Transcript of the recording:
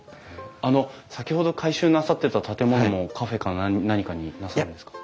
あの先ほど改修なさってた建物もカフェか何かになさるんですか？